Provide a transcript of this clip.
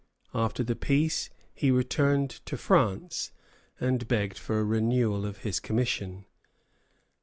After the peace he returned to France and begged for a renewal of his commission.